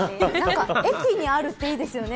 駅にあるっていいですよね。